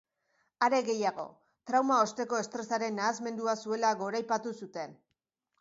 Are gehiago, trauma osteko estresaren nahasmendua zuela goraipatu zuten.